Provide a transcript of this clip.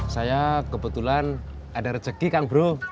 saya kebetulan ada rezeki kang bro